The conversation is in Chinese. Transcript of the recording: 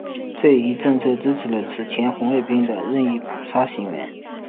这一政策支持了此前红卫兵的任意扑杀行为。